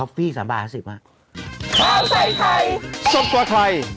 ท็อปฟี่๓บาท๑๐บาท